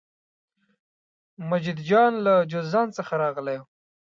مجید جان له جوزجان څخه راغلی و.